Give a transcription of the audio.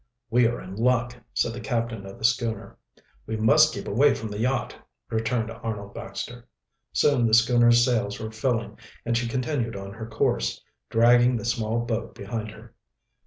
"We are in luck!" said the captain of the schooner. "We must keep away from the yacht," returned Arnold Baxter. Soon the schooner's sails were filling and she continued on her course, dragging the small boat behind her.